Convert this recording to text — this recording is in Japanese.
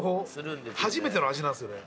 初めての味なんすよね。